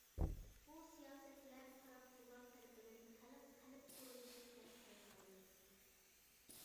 بۇ سىياسەتلەر تاراتقۇلار تەرىپىدىن «خەلق قەلب قۇرۇلۇشى» دەپ تەرىپلەندى.